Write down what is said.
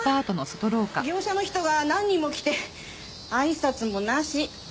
業者の人が何人も来てあいさつもなし。